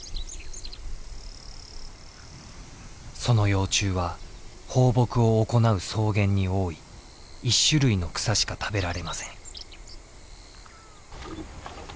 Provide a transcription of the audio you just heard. その幼虫は放牧を行う草原に多い１種類の草しか食べられません。